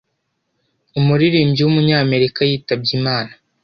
umuririmbyi w’umunyamerika yitabye Imana